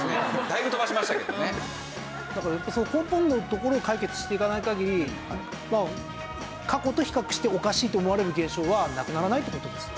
だからその根本のところを解決していかない限り過去と比較しておかしいと思われる現象はなくならないという事ですよね。